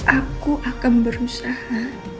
aku akan berusaha